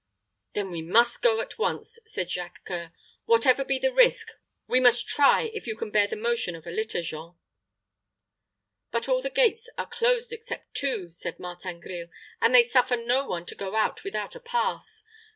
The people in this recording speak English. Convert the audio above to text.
"Then we must go at once," said Jacques C[oe]ur "Whatever be the risk, we must try if you can bear the motion of a litter, Jean." "But all the gates are closed except two," said Martin Grille, "and they suffer no one to go out without a pass.